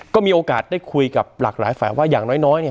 ก็มีโอกาสได้คุยกับหลากหลายฝ่ายว่าอย่างน้อยเนี่ย